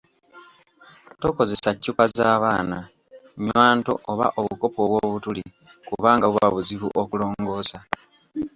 Tokozesa ccupa za baana, nnywanto oba obukopo obw'obutuli, kubanga buba buzibu okulongoosa